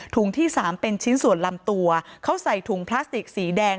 ที่สามเป็นชิ้นส่วนลำตัวเขาใส่ถุงพลาสติกสีแดง